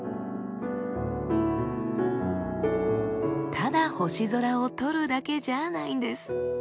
ただ星空を撮るだけじゃないんです。